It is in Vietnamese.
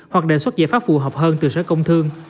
hoặc đề xuất giải pháp phù hợp hơn từ sở công thương